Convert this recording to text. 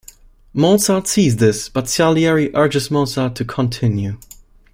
Mozart sees this, but Salieri urges Mozart to continue.